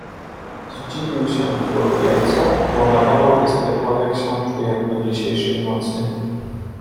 "Zdziwił się król wielce, uradował i spytał, jak się czuje po dzisiejszej nocy."